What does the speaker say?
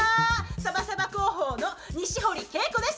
ＳＡＢＡ広報の西堀恵子です。